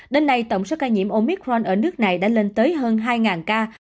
đến nay tổng số ca nhiễm omicron ở nước này đã lên tới hơn hai ca